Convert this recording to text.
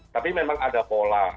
tapi memang ada pola